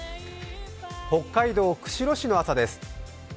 北海道釧路市の朝です。